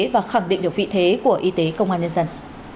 và khẳng định được vị thế của y tế công an nhân dân